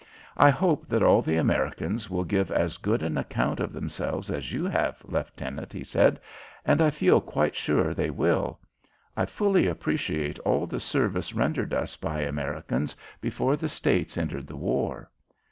"I hope that all the Americans will give as good an account of themselves as you have, Leftenant," he said, "and I feel quite sure they will. I fully appreciate all the service rendered us by Americans before the States entered the war."